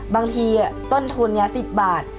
บางทีต้นทุนนี้๑๐บาท